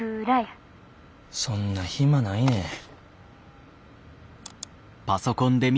そんな暇ないねん。